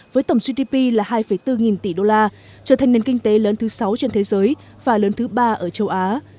với tổng gdp là hai bốn nghìn tỷ đô la trở thành nền kinh tế lớn thứ sáu trên thế giới và lớn thứ ba ở châu á